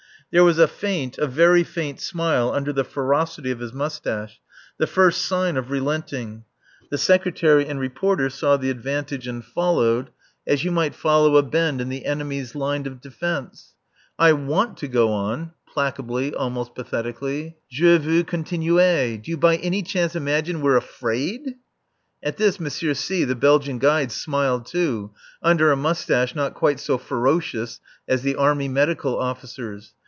There was a faint, a very faint smile under the ferocity of his moustache, the first sign of relenting. The Secretary and Reporter saw the advantage and followed, as you might follow a bend in the enemy's line of defence. "I want to go on" (placably, almost pathetically). "Je veux continuer. Do you by any chance imagine we're afraid?" At this, M. C , the Belgian guide, smiled too, under a moustache not quite so ferocious as the Army Medical Officer's.